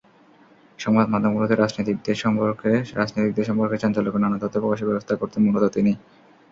সংবাদমাধ্যমগুলোতে রাজনীতিকদের সম্পর্কে চাঞ্চল্যকর নানা তথ্য প্রকাশের ব্যবস্থা করতেন মূলত তিনিই।